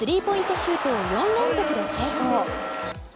シュートを４連続で成功。